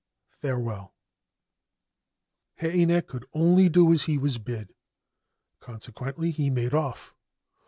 Farewell !' Heinei could only do as he was bid. Consequently, he made off.